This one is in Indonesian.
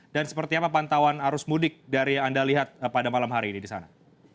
dan seperti apa pantauan arus mudik dari yang anda lihat pada malam hari ini disana